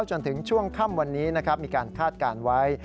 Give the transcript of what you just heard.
จนถึงช่วงค่ำวันนี้นะครับมีการคาดการณ์ไว้